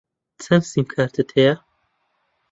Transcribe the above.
چەند سیمکارتت هەیە؟